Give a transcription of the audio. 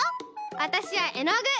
わたしはえのぐ！